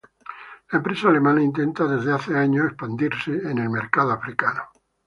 La empresa alemana intenta desde hace años expandirse en el mercado africano.